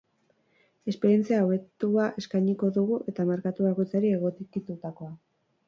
Esperientzia hobetua eskainiko dugu eta merkatu bakoitzari egokitutakoa.